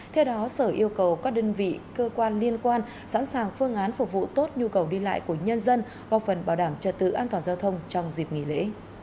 theo đó sở yêu cầu các đơn vị cơ quan liên quan sẵn sàng phương án phục vụ tốt nhu cầu đi lại của nhân dân góp phần bảo đảm trật tự an toàn giao thông trong dịp nghỉ lễ